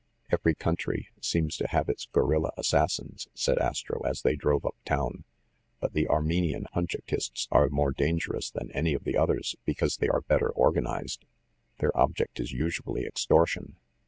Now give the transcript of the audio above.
"Every country seems to have its guerrilla assas sins," said Astro, as they drove up town. "But the Ar menian Hunchakists are more dangerous than any of the others, because they are better organized. Their object is usually extortion.